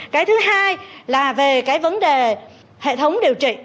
cái thứ hai là về cái vấn đề hệ thống điều trị